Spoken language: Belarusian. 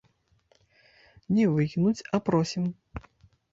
Не выкінуць, а просім.